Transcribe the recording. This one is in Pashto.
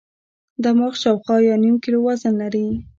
دماغ شاوخوا یو نیم کیلو وزن لري.